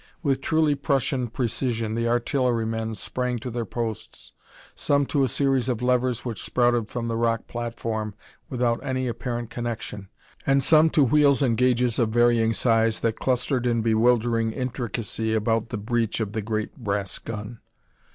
With truly Prussian precision, the artillerymen sprang to their posts, some to a series of levers which sprouted from the rock platform without any apparent connection, and some to wheels and gauges of varying size that clustered in bewildering intricacy about the breech of the great brass gun.